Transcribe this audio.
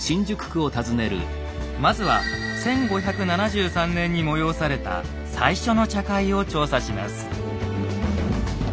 まずは１５７３年に催された最初の茶会を調査します。